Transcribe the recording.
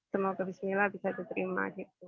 semoga bismillah bisa diterima